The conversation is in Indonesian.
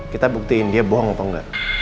kita buktiin dia bohong atau enggak